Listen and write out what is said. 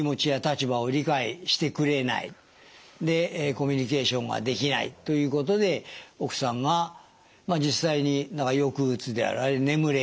でコミュニケーションができないということで奥さんが実際に抑うつである眠れない無気力。